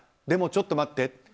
でも、ちょっと待って！